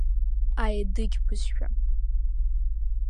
Аедыгь бызшәа…